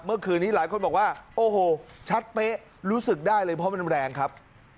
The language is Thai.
เมื่อคืนนี้หลายคนบอกว่าโอ้โหชัดเป๊ะรู้สึกได้เลยเพราะมันแรงครับ